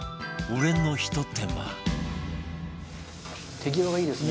「手際がいいですね」